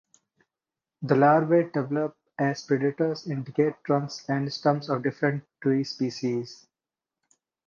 The larvae develop as predators in decayed trunks and stumps of different tree species.